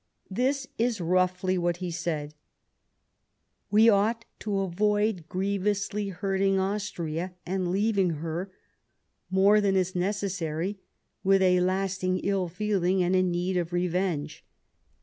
This is roughly what he said :" We ought to avoid grievously hurting Austria, and leaving her, more than is necessary, with a lasting ill feeling and a need of revenge.